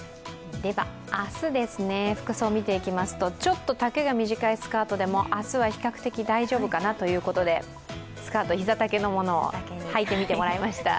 明日ですね、服装を見ていきますとちょっと丈が短いスカートでも明日は比較的大丈夫かなということで、スカート、膝丈のものをはいてもらいました。